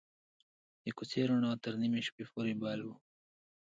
د کوڅې رڼا تر نیمې شپې پورې بل وه.